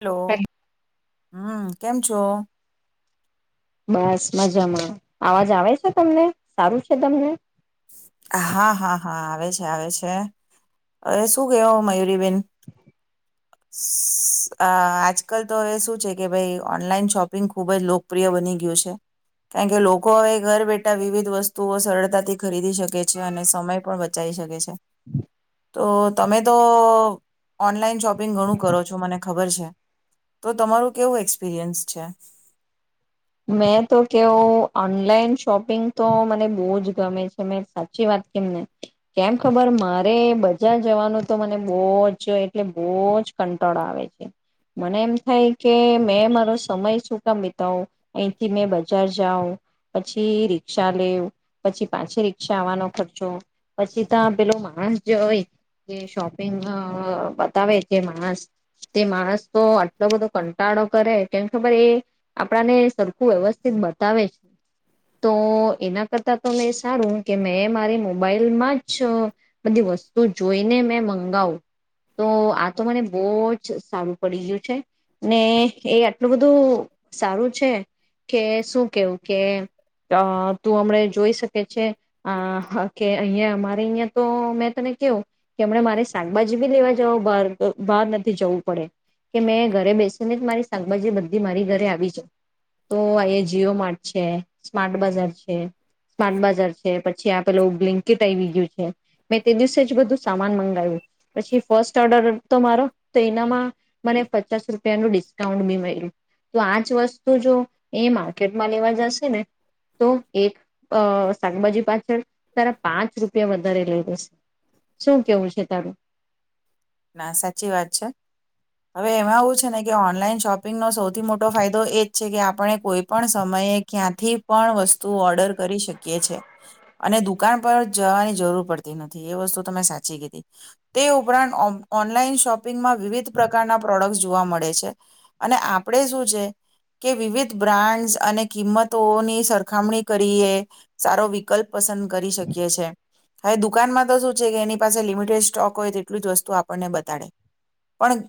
Hello, હમ્મ. કેમ છો? બસ મજામાં અવાજ આવે છે તમને સારું છે તમને? હા હા હા આવે છે આવે છે. હવે શું કેયો મયુરીબેન? સ અહ આજકાલ તો હવે શું છે કે ભાઈ ઓનલાઈન શોપિંગ ખૂબ જ લોકપ્રિય બની ગયું છે, કારણ કે લોકો હવે ઘર બેઠા વિવિધ વસ્તુઓ સરળતાથી ખરીદી શકે છે. અને સમય પણ બચાવી શકે છે. તો તમે તો ઓનલાઈન શોપ પિંગ ઘણું કરો છો મને ખબર છે. તો તમારું કેવું એક્પિરયન્સ છે? મેં તો કેવ ઓનલાઈન શોપિંગ તો મને બહુ જ ગમે છે. મે સાચી વાત કેમ ને કેમ ખબર મારે બજાર જવાનું તો મને બહુ જ એટલે બહુજ કંટાળ આવે છે. મને એમ થાય કે મેં મારો સમય શું કામ બિતોઉ અહીથી મેં બજાર જાવ પછી રિક્ષા લેવ પછી પાછી રિક્ષા આવવાનો ખર્ચો પછી, તો પેલો માણસ જે હોય તે શોપિંગ અહ બતાવે તે માણસ તે માણસ તો આટલો બધો કંટાળો કરે કેમ ખબર એ આપડા ને સરખું વ્યવસ્થિત બતાવે છે, તો એના કરતાં તો મેં સારું કે મેં મારી મોબાઈલમાં જ બધી વસ્તુ જોઈને મેં મંગાવું તો આ તો મને બહુ જ સારું પડી ગયું છે ને એ આટલું બધું સારું છે. કે શું કેવું કે તું અહ હમણે જોઈ શકે છે અહ કે અહિયાં અમારે અહિયાં તો મેં તમે કવું કે હમ મારે શાકભાજી બી લેવા જાવ બાર બહાર નથી જવું પડે કે, મેં ઘરે બેસીને જ મારી શાકભાજી બધી મારી ઘરે આવી જાય. તો આ જીઓ માર્ટ છે, સ્માર્ટ બજાર છે, સ્માર્ટ બજાર છે, પછી આ પેલો બ્લીન્કેટ આવી ગયું છે. મેં તે દિવસે જ બધું સામાન મંગાવ્યું પછી ફર્સ્ટ ઓર્ડર તો મારો તો એનામાં મને પચાસ રૂપિયાનું ડિસ્કાઉન્ટ બી મળ્યું. તો આજ વસ તો જો એ માર્કેટમાં લેવા જશે ને તો એક અહ શાકભાજી પાછળ તારા પાંચ રૂપિયા વધારે લઈ દેશે. શું કેવું છે તારું? ના સાચી વાત છે. હવે એમાં એવું છે ને કે ઓનલાઈન શોપિંગનો સૌથી મોટો ફાયદો એ જ છે કે આપણે કોઈ પણ સમયે ક્યાંથી પણ વસ્તુ ઓર્ડર કરી શકીએ છે. અને દુકાન પર જવાની જરૂર પડતી નથી એ વસ્તુ તમે સાચી કીધી તે ઉપરાંત ઓ ઓનલાઈન શોપ પિંગમાં વિવિધ પ્રકારના પ્રોડક્ટ્સ જોવા મળે છે. અને આપડે શું છે, કે વિવિધ બ્રાન્ડ અને કિંમતોની સરખામણી કરીએ. સારો વિકલ્પ પસંદ કરી શકીએ છે. હવે દુકાનમાં તો શું છે, કે એની પાસે લિમિટેડ સ્ટોક હોય તેટલું જ વસ્તુ આપ આપણને બતાડે. પણ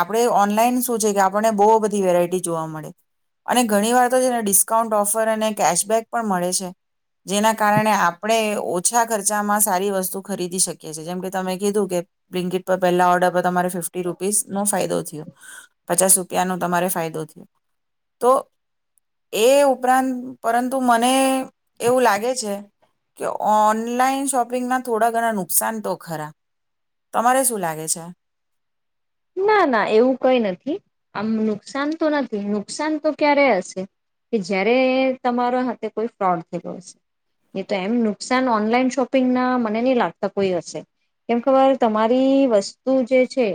આપણે ઓનલાઈન શું છે કે આપણને બો બધી વેરાયટી જોવા મળે. અને ઘણી વાર તો છે ને ડિસ્કાઉન્ટ ઓફર અને કેશબેક પણ મળે છે. જેના કારણે આપણે ઓછા ખર્ચામાં સારી વસ્તુ ખરીદી શકીએ છે. જેમ કે તમે કીધું કે બ્લિન્ક ઈટ પર પેહલા ઓર્ડર પર તમારે ફિફ્ટી રૂપીસનો ફાયદો થ્યો. પચાસ રૂપિયાનો તમારે ફાયદો થયો. તો એ ઉપરાંત પરંતુ મને એવું લાગે છે, કે ઓનલાઈન શોપિંગના થોડા ઘણા નુકસાન તો ખરા. તમારે શું લાગે છે? ના ના, એવું કઈ નથી. આમ નુકસાન તો નથી. નુકસાન તો ક્યારે હશે, કે જય્યારે તમારા હાથે કોઈ ફ્રોડ થયલો હશે. નહીં તો એમ નુકસાન ઓનલાઈન શોપિંગના મને નહી લાગતા કોઈ હશે. કેમ ખબર, તમારી વસ્તુ જે છે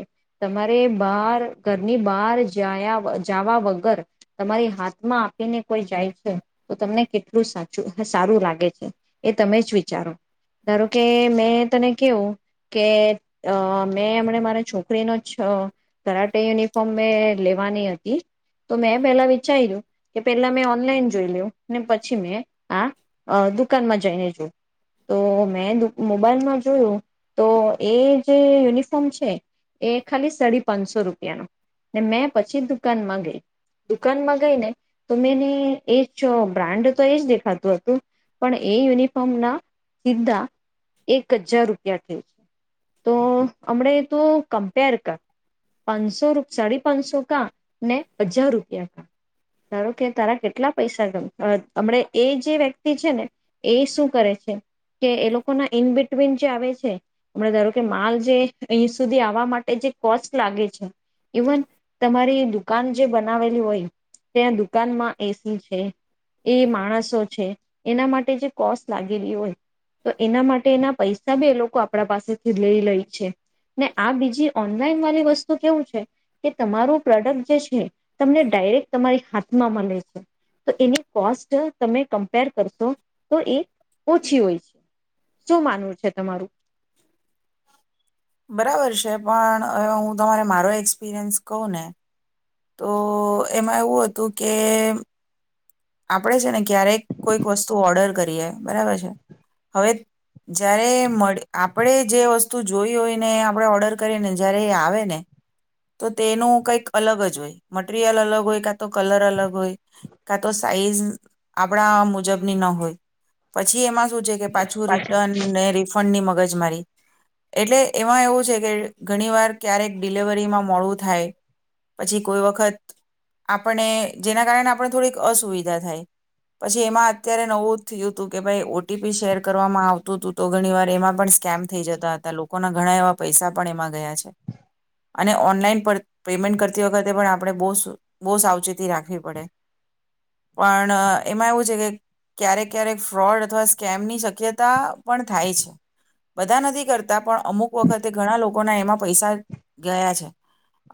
તમારે બાર ઘરની બહાર જાયા જાવા વગર તમારી હાથમાં આપીને કોઈ જાય છે, તો તમને કેટલું સાચું સારું લાગે છે, એ તમે જ વિચારો. ધારો કે મેં તને કેવું કે મેં અમને મારા છોકરા છ કરાટે યુનિફોર્મ મેં લેવાની હતી, તો મેં પેલા વિચાયરુ, કે પેલા મેં ઓનલાઈન જોઈ લેઉં, ને પછી મેં આ દુકાનમાં જઈને જોઉં. તો મેં મોબાઈલમાં જોયું, તો એ જે યુનિફોર્મ છે એ ખાલી સાડી પાંચસો રૂપિયાનો. ને મેં પછી દુકાનમાં ગઈ. દુકાનમાં ગઈને તો મેંને એ બ્રાન્ડ તો એજ દેખાતું હતું, પણ એ યુનિફોર્મના સીધ્ધા એક હજાર રૂપિયા થયું છે મ. તો હમણે તો કમ્પેર કર, પાંચસો સાડી પાંચસો કાં, ને હજાર રૂપિયા કાં! ધારો કે તારા કેટલા પૈસા ગમે. હમ એ જે વ્યક્તિ છે ને એ શું કરે છે કે, એ લોકોના ઇન બિટવીન જે આવે છે, હમ ધારો કે માલ જે અહીં સુધી આવે વવા માટે જે કોસ્ટ લાગે છે, ઈવન તમારી દુકાન જે બનાવેલી હોય, ત્યાં દુકાનમાં એ સી છે, એ માણસો છે, એના માટે જે કોસ્ટ લાગેલી હોય, તો એના માટે એના પૈસા બી એ લોકો આપણા પાસેથી લઈ લેય છે. આ બીજી ઓનલાઈન વાલી વસ્તુ કેવું છે, કે તમારું પ્રોડક્ટ જે છે, તમને ડાયરેક્ટ તમારી હાથમાં મલે છે. તો એની કોસ્ટ તમે કમ્પેર કરશો તો એ ઓછી હોય છે. શું માનવું છે તમારું? બરાબર છે, પણ હ હું તમારે મારો એક્સપિરિયન્સ કહું ને તો એમાં એવું હતું, કે આપણેે છે ને ક્યારેક કોઈક વસ્તુ ઓર્ડર કરીએ, બરાબર છે? હવે જ્યારે મળ આપણે જે વસ્તુ જોઈ હોય, ને આપણે ઓર્ડર કરીએ ને જય્યારે એ આવે ને તો તેનું કંઈક અલગ જ હોય. મટીરિયલ અલગ હોય, કાં તો કલર અલગ હોય, કાં તો સાઈઝ આપણા મુજબની ન હોય. પછી એમાં શું છે કે પાછું રિટર્ન, ને રિફંડની મગજ જે મારી એટલે એ એવું છે કે ઘણી વાર ક્યારેક ડિલવરીમાં મોડું થાય પછી કોઈ વખત આપ જેના કારણે આપ થોડી અસુવિધા થાય પછી એમાં અત્યારે નવું જ થયું હતું કે ભાઈ ઓટીપી શેર કરવામાં આવતું હતું તો ઘણી વાર એમાં પણ સ્કેમ થઈ જતા હતા લોકોના ઘણા એવા પૈસા પણ એમાં ગયા છે અને ઓનલાઈન પેમેન્ટ કરતી વખતે પણ આપણે બ બહુ સાવચેતી રાખવી પડે પણ એમાં એવું છે કે ક્યારેક ક્યારેક ફ્રોડ અથવા સ્કેમની શક્યતા પણ થાય છે બધા નથી કરતા પણ અમુક વખતે ઘણા લોકોના એમાં પૈસા ગયા છે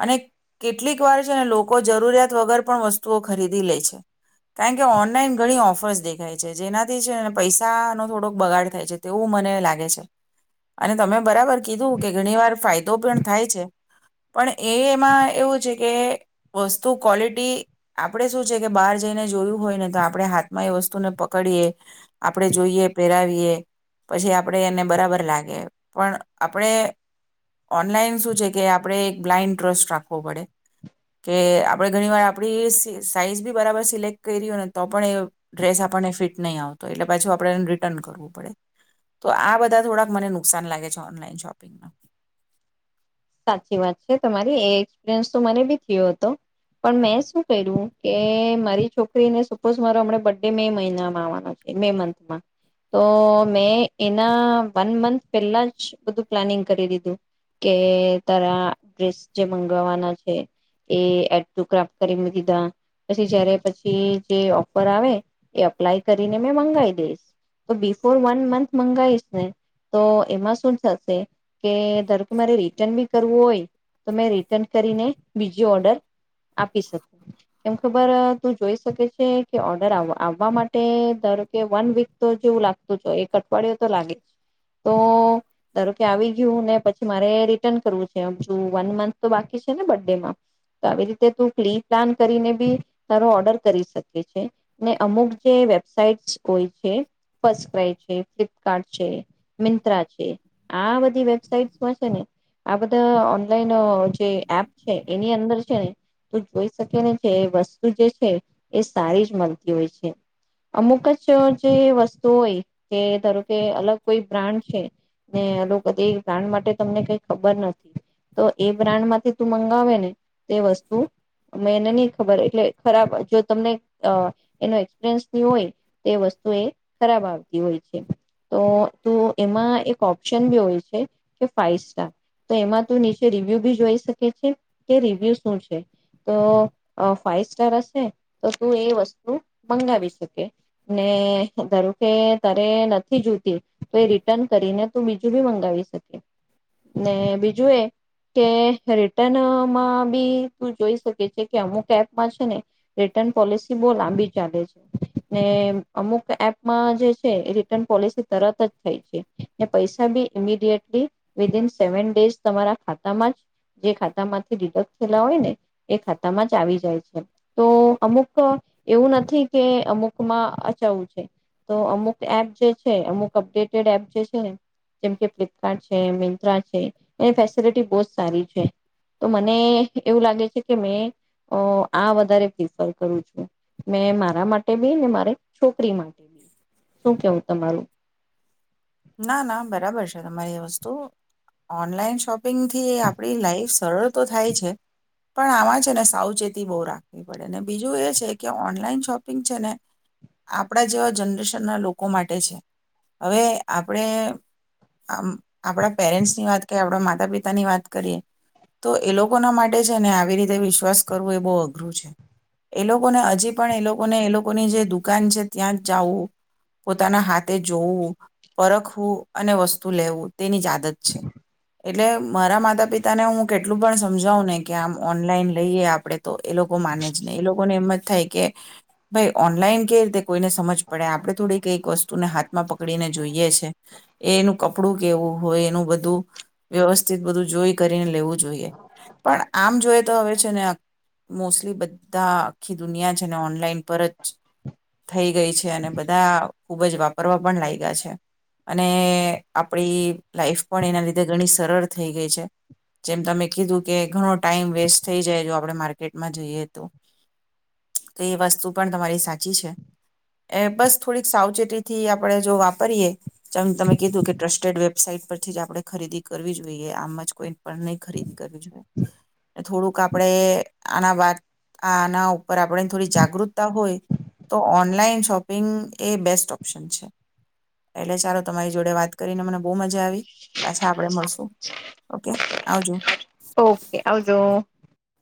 અને કેટલીક વાર છે ને લોકો જરૂરિયાત વગર પણ વસ્તુઓ ખરીદી લે છે કારણ કે ઓનલાઈન ઘણી ઓફર્સ દેખાય છે જેનાથી છે પૈસા નો થોડોક બગાડ થાય છે તેવું મને લાગે છે અને તમે બરાબર કીધું કે ઘણી વાર ફાયદો પણ થાય છે પણ એ એમાં એવું છે કે વસ્તુ ક્વલિટી આપણેે શું છે બાર જઈને જોયું હોય ને તો આપણે હાથમાં એ વસ્તુને પકડીએ આપણે જોઈએ પહેરાવીએ પછી આપણે એને બરાબર લાગે પણ આપણે ઓનલાઈન શું છે કે આપણેે એક બ્લાઈન્ડ ટ્રસ્ટ રાખવો પડે કે આપણે ઘણી વાર આપ સાઈઝ બી બરાબર સિલેક્ટ કરને તો પણ એ ડ્રેસ આપને ફિટ નહી આવતો એટલે પાછ આપણેને રિટર્ન કરવું પડે તો આ બધા થોડાક મને નુકસાન લાગે છે ઓનલાઈન શોપિંગ સાચી વાત છે તમારી એ એક્સપિરિયન્સ તો મને બી થયો હતો પણ મેં શું કર્યું કે મારી છોકરીને સપોઝ મારો હમણા બર્થડે મે મહિનામાં આવવાનો છે મે મંથમાં તો મેં એના વન મંથ પહેલા જ બધું પ્લાનિંગ કરી દીધું કે તારા ડ્રેસ જે મંગાવવાના છે એડ ટુ ક્રાફ્ટ કરી દીધા પછી જયારે પછી જે ઓફર આવે એ અપ્લાય કરીને મંગાવ દઈશ તો બિફોર વન મંથ મંગીશ ને તો એમાં શું થશે કે ધરોકે મારે રિટર્ન બી કરવું હોય તો મે રિટર્ન કરીને બીજો ઓર્ડર આપી શક કેમ ખબર તું જોઈ શકે છે કે ઓર્ડર આવવા માટે ધારો કે વન વીક તો જેવું લાગતું છે એક અઠવાડિયું તો લાગે તો ધારો કે આવી ગયું ને પછી મારે રિટન કરવું છે આમ જો વન મંથ તો બાકી છે ને બર્થડે માં તો આવી રીતે તું ક્લી પ્લાન કરીને બી તારો ઓર્ડર કરી શકે છે અમુક જે વેબસાાઈટ્સ હોય છે ફસ્ટ ક્રાય છે ફ્લિપકાર્ટ છે મિંત્રા છે આ બધી વેબસાઈટમાં છે ને આ બધા ઓનલાઈન જે એપ છે એની અંદર છે ને તો જોઈ શકે ને જે વસ્તુ જે છે એ સારી જ મળતી હોય છે અમુક જ જે વસ્તુ હોય તે ધારો કે અલગ કોઈ બ્રાન્ડ છે ને આનુ બ્રાન્ડ માટે તમને કઈ ખબર નથી તો એ બ્રાન્ડ માંથી તું મંગાવે ને તે વસ્તુ મે એને નહ ખબર એટલે ખરાબ જો તમને એનો એક્સપિરિયન્સ નહી હોય તો વસ્તુ એ ખરાબ આવતી હોય છે તો તું એમાં એક ઓપ્શન બી હોય છે કે ફાઈવ સ્ટાર તો એમાં તું નીચે રિવ્યુ બી જોઈ શકે છે કે રિવ્યુ શું છે તો ફાઈવ સ્ટાર હશે તો તું એ વસ્તુ મંગાવી શકે ને ધારો કે તારે નથી જોતી તો એ રિટર્ન કરીને તું બીજું બી મંગાવી શકી ને બીજું એ કે રિટર્નમાં બી તું જોઈ શકે છે કે અમુક એપમાં છે ને રિટર્ન પોલિસી બહુ લાંબી ચાલે છે ને અમુક એપમાં જે છે એ રિટર્ન પોલિસી તરત જ થાય છે ને પૈસા બી ઇમિડિયટલી વિન સેવન ડેઝ તમારા ખાતામાં જ જે ખાતામાંથી ડિડક્ટ થયેલા હોય ને એ ખાતામાં જ આવી જાય છે તો અમુક એવું નથી કે અમુકમાં અચાવું છે તો અમુક એપ જે છે અમુક અપડેટેડ એપ જે છે ને જેમકે ફ્લિપકાર્ટ છે મ મિન્તરા છે એની ફેસિલિટી બઉ સારી છે, તો મને એવું લાગે છે કે મે આ વધારે પ્રિફર કરું છું, મે મારા માટે બી ને મારે છોકરી માટે બી. શું કેવું તમારું? ના ના બરાબર છે તમારી વસ્તુ ઓનલાઈન શોપિંગથી આપણી લાઈફ સરળ તો થાય છે પણ આમાં છે ને સાવચેતી બહુ રાખવી પડે ને બીજું એ છે કે ઓનલાઈન શોપિંગ છે ને આપણા જેવા જનરેશનના લોકો માટે છે. હવે આપણે આપણા પેરેન્ટ્સની વાત કરીએ આપણા માતા પિતાની વાત કરીએ તો એ લોકોના માટે છે ને આવી રીતે વિશ્વાસ કરવો એ બહુ અઘરું છે, એ લોકોને હજી પણ એ લોકોને એ લોકોની જે દુકાન છે ત્યાં જ જવું પોતાના હાથે જોવું પરખવું અને વસ્તુ લેવું તેની જ આદત છે, એટલે મારા માતા પિતાને હું કેટલું પણ સમજાવું ને કે આમ ઓનલાઈન લઈએ આપણે તો એ લોકો માને છે ને એ લોકોને એમ જ થાય કે ભાઈ ઓનલાઈન કે રીતે કોઈને સમજ પડે આપડે થોડી કઈક વસ્તુને હાથમાં પકડીને જોઈએ છે એનું કપડું કેવું હોય, એનું બધું વ્યવસ્થિત બધું જોઈ કરીને લેવું જોઈએ. પણ આમ જોઈ તો હવે છે ને મોસ્ટલી બધા આખી દુનિયા છે ને ઓનલાઈન પર જ થઈ ગઈ છે, અને બધા ખુબ જ વાપરવા પણ લાયગા છે. અને આપણી લાઈફ પણ એના લીધે ઘણી સરળ થઈ ગઈ છે, જેમ તમે કીધું કે ઘણો ટાઈમ વેસ્ટ થઈ જાય જો આપણે માર્કેટમાં જોઈએ તો તો એ વસ્તુ પણ તમારી સાચી છે, બસ થોડી સાવચેતીથી આપણે જો કરીએ તમે કીધું કે ટ્રસ્ટેડ વેબસાાઈટ પરથી જ આપણે ખરીદી કરવી જોઈએ, આમ જ કોઈ પણ નહી ખરીદી કરવી જોઈએ, થોડુંક આપણે આના વાત આના ઉપર આપણે થોડી જાગૃતતા હોય તો ઓનલાઈન શોપિંગ એ બેસ્ટ ઓપ્શન છે. એટલે ચાલો તમારી જોડે વાત કરીને મને બહુ મજા આવી પાછા આપડે મળશુ ઓકે. આવજો. ઓકે આવજો.